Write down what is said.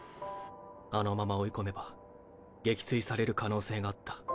あのまま追い込めば撃墜される可能性があった。